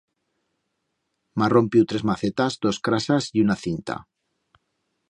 M'ha rompiu tres macetas, dos crasas y una cinta.